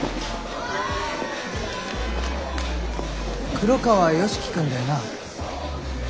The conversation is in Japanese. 黒川良樹くんだよな？